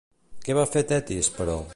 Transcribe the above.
Què va fer Tetis, però?